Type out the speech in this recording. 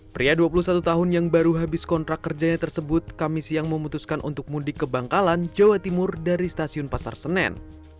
pria dua puluh satu tahun yang baru habis kontrak kerjanya tersebut kami siang memutuskan untuk mudik ke bangkalan jawa timur dari stasiun pasar senen